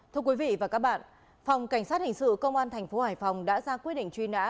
thưa quý vị và các bạn phòng cảnh sát hình sự công an thành phố hải phòng đã ra quyết định truy nã